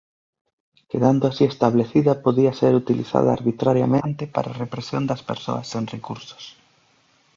Quedando así establecida podía ser utilizada arbitrariamente para a represión das persoas sen recursos.